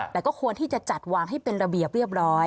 แต่ก็ควรที่จะจัดวางให้เป็นระเบียบเรียบร้อย